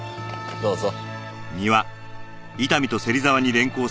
どうぞ。